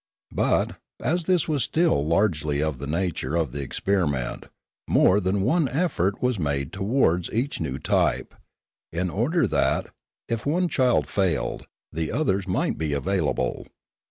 But, as this was still largely of the nature of experiment, more than one effort was made towards each new type, in order that, if one child failed, the others might be available.